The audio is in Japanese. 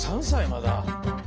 まだ。